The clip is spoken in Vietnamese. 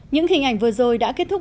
những hình ảnh vừa rồi đã kết thúc